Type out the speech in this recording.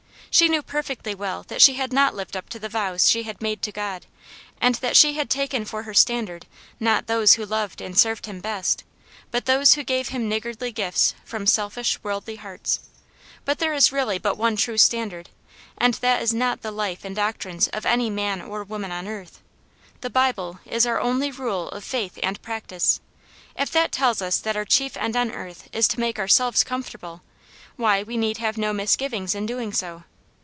She knew per fectly well that she had not lived up to the vows she had made to God, and that she had taken for her standard not those who loved and served Him best, but those who gave him niggardly gifts from selfish^ worldly hearts. But there is really but one true standard, and that is not the life and doctrines of any man or woman on earth. The Bible is our only rule of faith and practice. If that tells us that our chief end on earth is to make ourselves comfortable, why, we need have no misgivings in doing so.